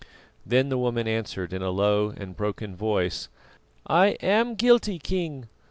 Then the woman answered in a low and broken voice: "I am guilty, King.